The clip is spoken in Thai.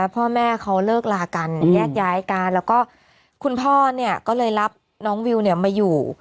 พ่อแม่เขาเลิกลากันแยกย้ายกันแล้วก็คุณพ่อเนี่ยก็เลยรับน้องวิวเนี่ยมาอยู่